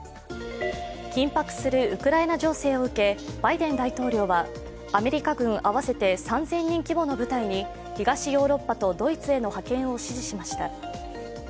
緊迫するウクライナ情勢を受け、バイデン大統領はアメリカ軍合わせて３０００人規模の部隊に東ヨーロッパとドイツへの派遣を指示しました。